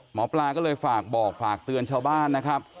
หมอปลาก็เลยฝากบอกฝากเตือนชาวบ้านนะครับ